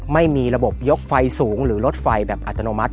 ไม่มีระบบยกไฟสูงหรือรถไฟแบบอัตโนมัติ